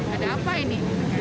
ada apa ini